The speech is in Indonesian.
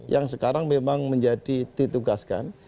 yang sekarang memang menjadi ditugaskan